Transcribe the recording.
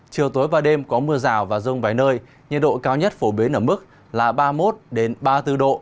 chiều tối và đêm có mưa rào và rông vài nơi nhiệt độ cao nhất phổ biến ở mức là ba mươi một ba mươi bốn độ